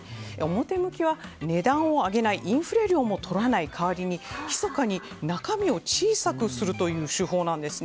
表向きは、値段を上げないインフレ料も取らない代わりにひそかに中身を小さくするという手法なんです。